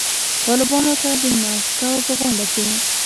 طالبانو ته د مسکو په غونډه کې